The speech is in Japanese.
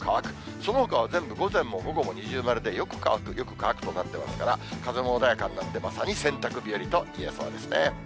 そのほかは全部、午前も午後も二重丸でよく乾く、よく乾くとなってますから、風も穏やかになって、まさに洗濯日和といえそうですね。